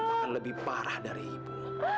akan lebih parah dari ibu